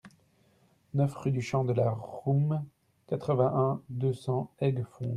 neuf rue du Champ de la Roume, quatre-vingt-un, deux cents, Aiguefonde